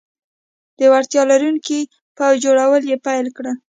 د وړتیا لرونکي پوځ جوړول یې پیل کړل.